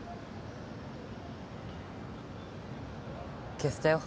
消せたよ